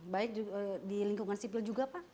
baik di lingkungan sipil juga pak